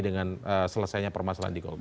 dengan selesainya permasalahan di golkar